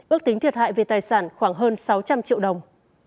ước tính thiệt hại về tài sản khoảng hơn sáu trăm linh triệu đồng